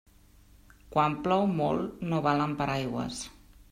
Quan plou molt no valen paraigües.